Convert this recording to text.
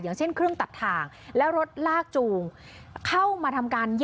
อย่างเช่นเครื่องตัดทางและรถลากจูงเข้ามาทำการ